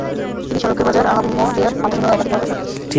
তিনি সড়কের বাজার আহমদিয়া মাদ্রাসা সহ একাধিক মাদ্রাসার প্রতিষ্টাতা।